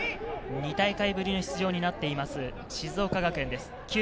２大会ぶりの出場になっています、静岡学園です。